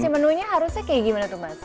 menunya harusnya kayak gimana tuh mas